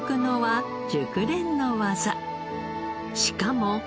しかも。